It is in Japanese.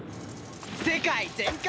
世界全快！